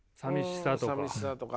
寂しさとかね。